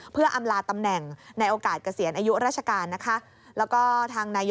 เพื่ออำลาตำแหน่งในโอกาสเกษียณอายุราชการนะคะ